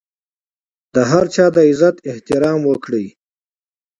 د هر چا د عزت احترام وکړئ.